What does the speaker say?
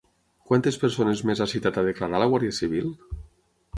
Quantes persones més ha citat a declarar la Guàrdia Civil?